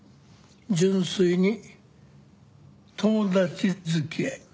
純粋に友達付き合い。